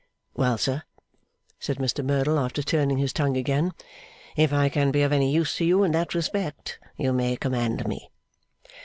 'Well, sir,' said Mr Merdle, after turning his tongue again, 'if I can be of any use to you in that respect, you may command me.